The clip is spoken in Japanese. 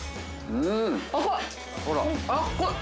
うん。